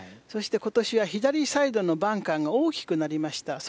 そして今年は左サイドのバンカーが大きくなりました。